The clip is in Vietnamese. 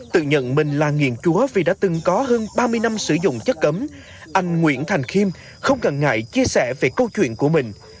tự nhận mình là nghiền chúa vì đã từng có hơn ba mươi năm sử dụng chất cấm anh nguyễn thành khiêm không cần ngại chia sẻ về câu chuyện của mình